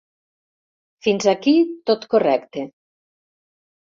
Fins aquí tot correcte!